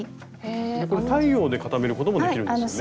これ太陽で固めることもできるんですよね。